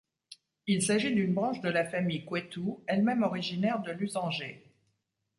Il s'agit d'une branche de la famille Couëtoux elle-même originaire de Lusanger.